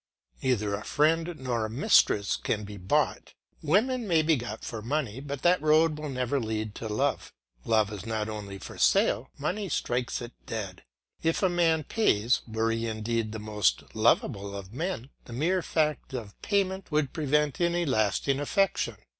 Neither a friend nor a mistress can be bought. Women may be got for money, but that road will never lead to love. Love is not only not for sale; money strikes it dead. If a man pays, were he indeed the most lovable of men, the mere fact of payment would prevent any lasting affection.